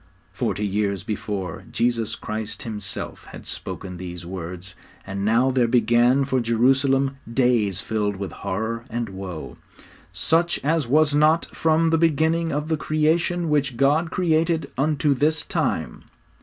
Forty years before, Jesus Christ Himself had spoken these words, and now there began for Jerusalem days filled with horror and woe, '_such as was not from the beginning of the creation which God created unto this time.